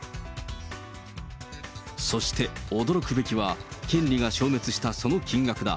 そして驚くべきは、権利が消滅したその金額だ。